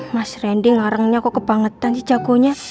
mas rendy ngarengnya kok kebangetan sih jagonya